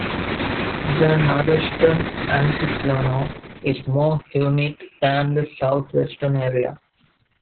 The northeastern Altiplano is more humid than the southwestern area.